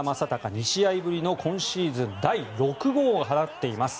２試合ぶりの今シーズン第６号を放っています。